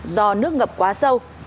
do nước ngập quá sâu